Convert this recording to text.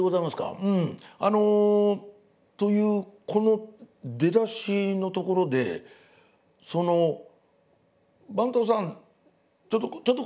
「うんあの」というこの出だしのところで「番頭さんちょっとちょっとこっち来てくれるかい」。